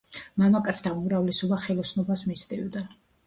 მამაკაცთა უმრავლესობა ხელოსნობას მისდევდა.